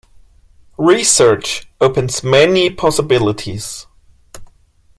Research opens many possibilities.